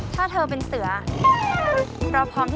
ใช่